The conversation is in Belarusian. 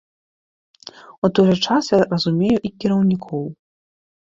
У той жа час я разумею і кіраўнікоў.